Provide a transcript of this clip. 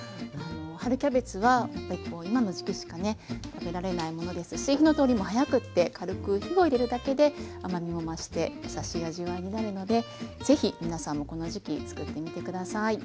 春キャベツは今の時期しかね食べられないものですし火の通りも早くて軽く火を入れるだけで甘みも増して優しい味わいになるので是非皆さんもこの時期作ってみて下さい。